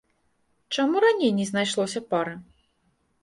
Чаму раней не знайшлося пары?